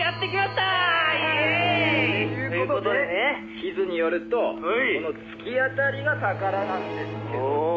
「という事で地図によるとこの突き当たりが宝なんですけども」